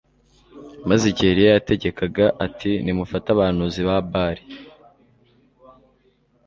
maze igihe Eliya yategekaga ati Nimufate abahanuzi ba Bali